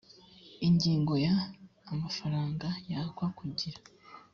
ingingo ya amafaranga yakwa kugira